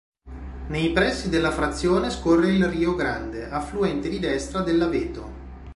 Nei pressi della frazione scorre il Rio Grande, affluente di destra dell'Aveto.